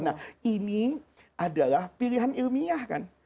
nah ini adalah pilihan ilmiah kan